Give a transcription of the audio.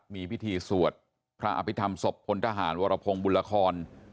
มีพิธีสวดพระอภิษฐรรมศพพลทหารวรพงศ์บุญละคร